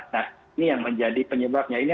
nah ini yang menjadi penyebabnya ini